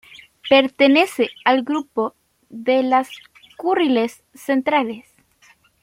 Pertenece al grupo de las Kuriles centrales.